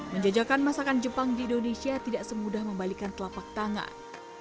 menjajakan masakan jepang di indonesia tidak semudah membalikan telapak tangan